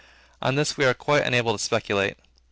On this we are quite unable to speculate.